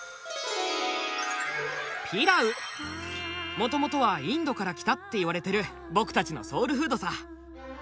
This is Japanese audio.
もともとはインドから来たって言われてる僕たちのソウルフードさ。